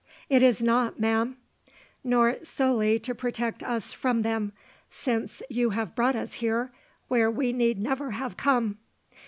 "It is not, ma'am." "Nor solely to protect us from them, since you have brought us here, where we need never have come."